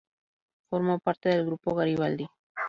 Formó parte del grupo Garibaldi.